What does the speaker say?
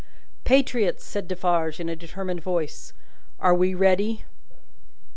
"Patriots!" said Defarge, in a determined voice, "are we ready?"